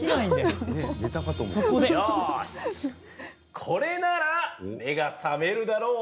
よーし、これなら目が覚めるだろう。